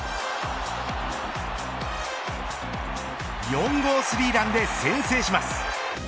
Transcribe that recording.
４号３ランで先制します。